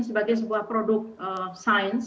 sebagai sebuah produk sains